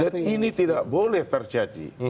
dan ini tidak boleh terjadi